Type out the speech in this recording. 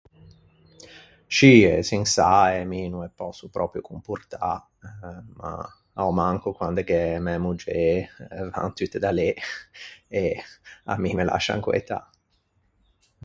Scì, e çinsae mi no ê pòsso pròpio comportâ. A-o manco quande gh’é mæ moggê van tutte da lê e à mi me lascian quëtâ.